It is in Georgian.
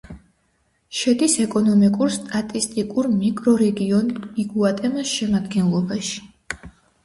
შედის ეკონომიკურ-სტატისტიკურ მიკრორეგიონ იგუატემის შემადგენლობაში.